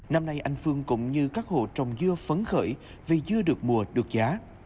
năm nay anh phương cũng như các hộ trồng dưa phấn khởi vì dưa được mùa được giá